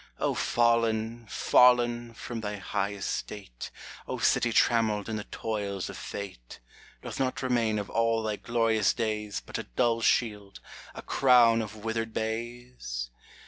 O fallen ! fallen 1 from thy high estate, O city trammeled in the toils of Fate, Doth nought remain of all thy glorious days, But a dull shield, a crown of withered bays